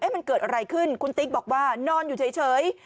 มันเกิดอะไรขึ้นคุณติ๊กบอกว่านอนอยู่เฉย